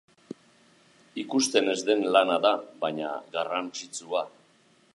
Ikusten ez den lana da, baina garrantzitsua.